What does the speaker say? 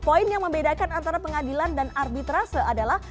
poin yang membedakan antara pengadilan dan arbitrase adalah